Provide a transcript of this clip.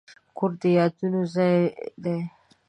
کور د یادونو ځای دی.